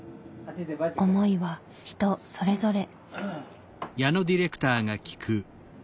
思いは人それぞれ。